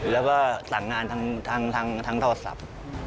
แล้วก็สั่งงานทางโทรศัพท์